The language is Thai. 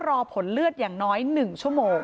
รอผลเลือดอย่างน้อย๑ชั่วโมง